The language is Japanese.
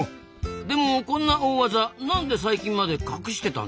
でもこんな大ワザ何で最近まで隠してたんですか？